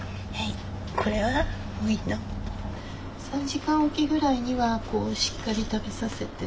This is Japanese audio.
３時間おきぐらいにはしっかり食べさせて。